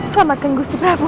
selamatkan gusti prabu